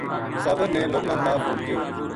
صابر نے لوکاں تا فون کیو